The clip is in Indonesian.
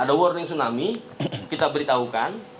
ada warning tsunami kita beritahukan